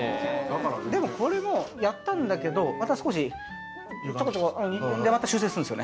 でも、これもやったんだけど、また少しで、また修正するんです。